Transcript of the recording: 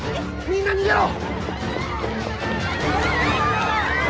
みんな逃げろ！